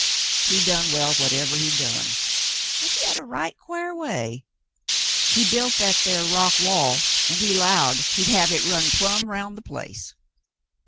He done well whatever he done, but he had a right quare way. He built that thar rock wall an' he 'lowed he'd have hit run plumb 'round the place.